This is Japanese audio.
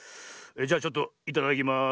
じゃちょっといただきます。